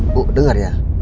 bu denger ya